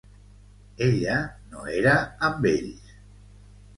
Ella no era amb ells.